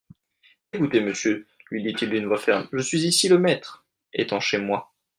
Écoutez, monsieur, lui dit-il d'une voix ferme, je suis ici le maître, étant chez moi.